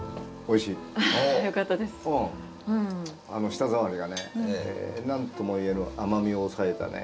舌触りがねなんとも言えぬ甘みを抑えたね。